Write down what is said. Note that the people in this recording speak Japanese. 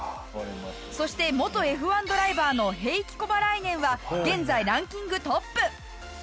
そして元Ｆ１ドライバーのヘイキ・コバライネンは現在ランキングトップ。